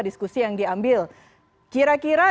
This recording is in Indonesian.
diskusi yang diambil kira kira